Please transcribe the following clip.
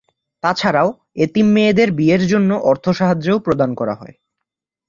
তাছাড়াও, এতিম মেয়েদের বিয়ের জন্য অর্থ সাহায্যও প্রদান করা হয়।